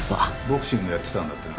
ボクシングやってたんだって？